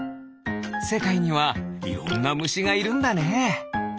せかいにはいろんなむしがいるんだね。